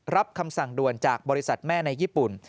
คำสั่งด่วนจากบริษัทแม่ในญี่ปุ่น